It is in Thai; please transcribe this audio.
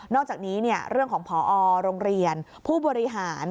อกจากนี้เรื่องของพอโรงเรียนผู้บริหาร